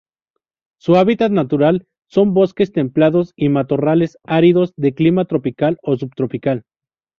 Su hábitat natural son: bosques templados y matorrales áridos de Clima tropical o subtropical.